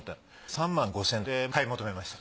３万５，０００円で買い求めました。